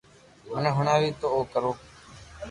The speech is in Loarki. مني ھڻاوي تو او ڪرو